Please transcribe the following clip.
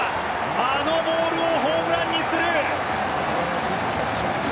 あのボールをホームランにする！